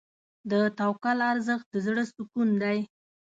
د توکل ارزښت د زړه سکون دی.